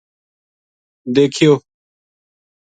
دیکھیو